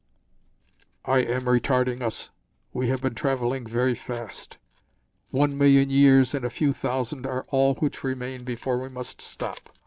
"I am retarding us. We have been traveling very fast. One million years and a few thousand are all which remain before we must stop."